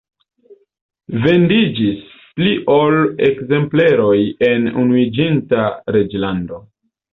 Vendiĝis pli ol ekzempleroj en Unuiĝinta Reĝlando.